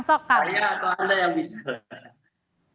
saya atau anda yang bisa